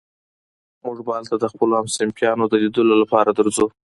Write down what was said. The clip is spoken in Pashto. موږ به هلته د خپلو همصنفيانو د ليدو لپاره درځو.